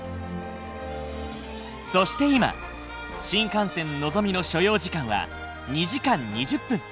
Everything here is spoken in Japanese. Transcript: そして今新幹線のぞみの所要時間は２時間２０分。